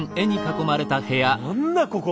何だここ！